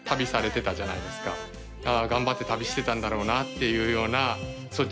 頑張って旅してたんだろうなっていうような率直な感想。